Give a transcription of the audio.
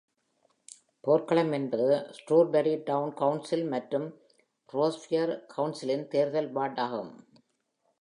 போர்க்களம் என்பது ஷ்ரூஸ்பரி down council மற்றும் ஷ்ரோப்ஷயர் கவுன்சிலின் தேர்தல் வார்டு ஆகும்.